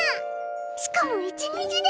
しかも１日で！